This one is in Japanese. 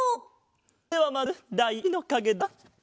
ではまずだい１のかげだ。